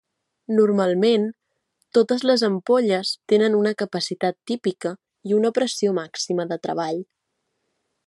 Normalment totes les ampolles tenen una capacitat típica i una pressió màxima de treball.